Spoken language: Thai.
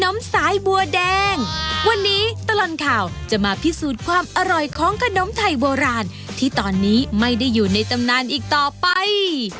มสายบัวแดงวันนี้ตลอดข่าวจะมาพิสูจน์ความอร่อยของขนมไทยโบราณที่ตอนนี้ไม่ได้อยู่ในตำนานอีกต่อไป